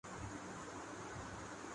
اورامریکہ سے بھی۔